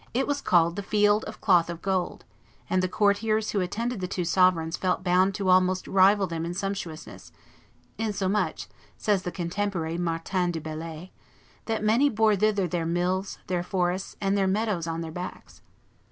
It was called The Field of Cloth of Gold; and the courtiers who attended the two sovereigns felt bound to almost rival them in sumptuousness, "insomuch," says the contemporary Martin du Bellay, "that many bore thither their mills, their forests, and their meadows on their backs."